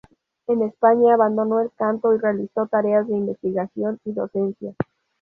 En España abandonó el canto y realizó tareas de investigación y docencia.